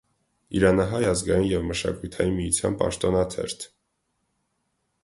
Իրանահայ ազգային և մշակութային միության պաշտոնաթերթ։